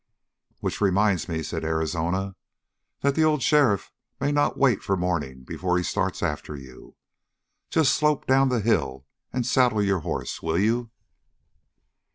"Which reminds me," said Arizona, "that the old sheriff may not wait for morning before he starts after you. Just slope down the hill and saddle your hoss, will you?"